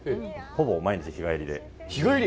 ほぼ毎日、日帰りで。